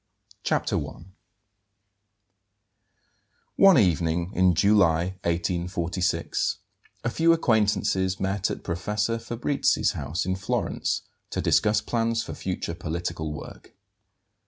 CHAPTER I. ONE evening in July, 1846, a few acquaintances met at Professor Fabrizi's house in Florence to discuss plans for future political work.